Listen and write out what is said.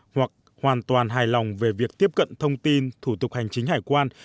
hoặc hoàn toàn hài lòng về việc tiếp cận thông tin thủ tục hành chính hải quan